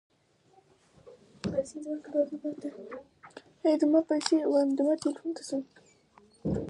ایا سهار په خوشحالۍ پاڅیږئ؟